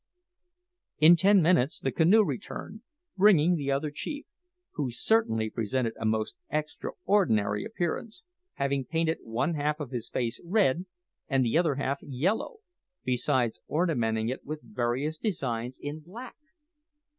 In ten minutes the canoe returned, bringing the other chief, who certainly presented a most extraordinary appearance, having painted one half of his face red and the other half yellow, besides ornamenting it with various designs in black!